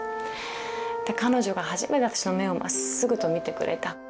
彼女が初めて私の目をまっすぐと見てくれた。